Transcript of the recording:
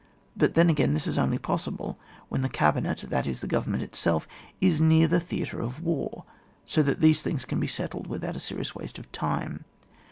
But then again, this is only possible when thecabinet, that is the government itself, is near the thea tre of war, so that things can be settled without a serious waste of time.